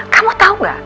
kamu tahu gak